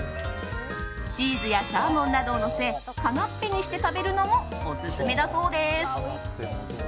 チーズやサーモンなどをのせカナッペにして食べるのもオススメだそうです。